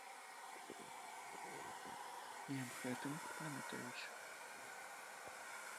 І аб гэтым памятаюць.